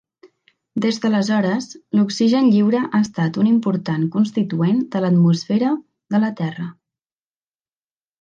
Des d'aleshores, l'oxigen lliure ha estat un important constituent de l'atmosfera de la Terra.